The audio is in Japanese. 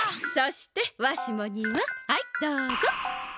そしてわしもにははいどうぞ！